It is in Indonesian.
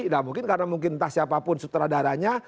nah mungkin karena mungkin entah siapapun sutradaranya